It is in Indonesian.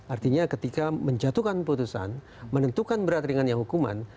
artinya ketika menjatuhkan putusan menentukan berat ringannya hukuman